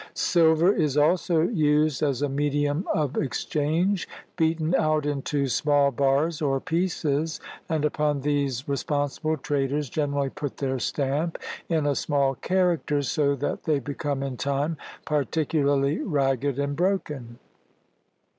Silver is also used as a medium of exchange, beaten out into small bars or pieces, and upon these responsible traders generally put their stamp in a small character, so that they become in time particularly ragged and broken.